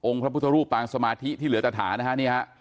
องค์พระพุทธรูปปางสมาธิที่เหลือตรฐานนะฮะ